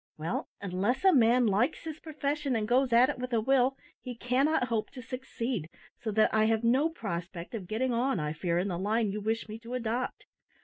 Well, unless a man likes his profession, and goes at it with a will, he cannot hope to succeed, so that I have no prospect of getting on, I fear, in the line you wish me to adopt.